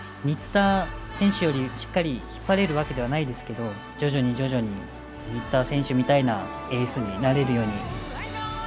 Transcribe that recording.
新田選手より、しっかり引っ張れるわけではないですけど徐々に徐々に新田選手みたいなエースになれるように。